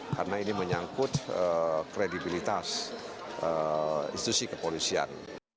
karena ini menyangkut kredibilitas institusi kepolisian